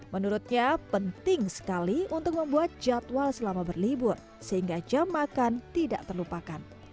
menurutnya penting sekali untuk membuat jadwal selama berlibur sehingga jam makan tidak terlupakan